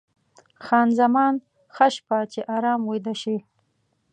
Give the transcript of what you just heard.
خان زمان: ښه شپه، چې ارام ویده شې.